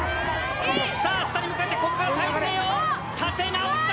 さあ下に向かってこっから体勢を立て直した！